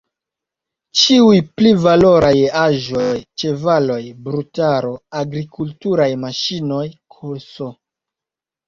Ĉiuj pli valoraj aĵoj, ĉevaloj, brutaro, agrikulturaj maŝinoj ks.